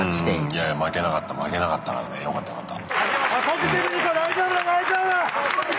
いやいや負けなかった負けなかったからねよかったよかった。